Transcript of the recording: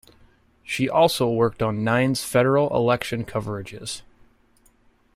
She also worked on Nine's Federal Election coverages.